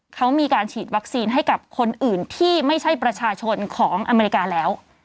เขามีการฉีดวัคซีนให้กับคนอื่นที่ไม่ใช่ประชาชนของอเมริกาแล้ว